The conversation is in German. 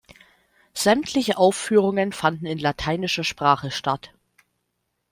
Sämtliche Aufführungen fanden in lateinischer Sprache statt.